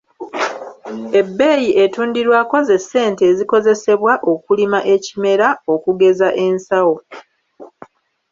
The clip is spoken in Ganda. Ebbeeyi etundirwako ze sente ezikozesebwa okulima ekimera okugeza ensawo.